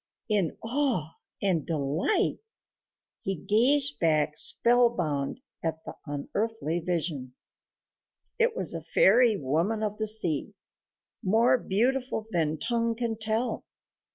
In awe and delight he gazed back spellbound at the unearthly vision. It was a fairy woman of the sea, more beautiful than tongue can tell.